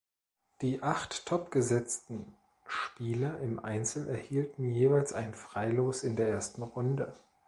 Die acht topgesetzten Spieler im Einzel erhielten jeweils ein Freilos in der ersten Runde.